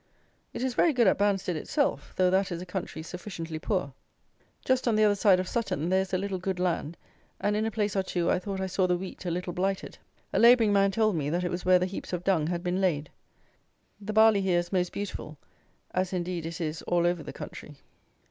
It is very good at Banstead itself, though that is a country sufficiently poor. Just on the other side of Sutton there is a little good land, and in a place or two I thought I saw the wheat a little blighted. A labouring man told me that it was where the heaps of dung had been laid. The barley here is most beautiful, as, indeed, it is all over the country.